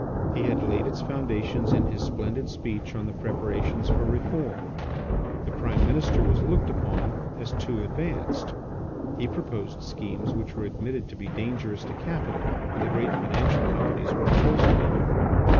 He had laid its foundations in his splendid speech on the preparations for reform. The Prime Minister was looked upon as too advanced. He proposed schemes which were admitted to be dangerous to capital, and the great financial companies were opposed to him.